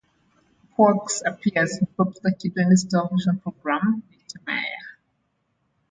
Pookas appear in popular children's television programme "Knightmare".